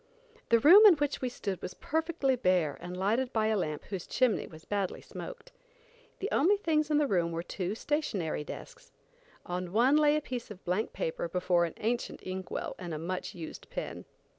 The room in which we stood was perfectly bare and lighted by a lamp whose chimney was badly smoked. The only things in the room were two stationary desks. On the one lay a piece of blank paper before an ancient ink well and a much used pen.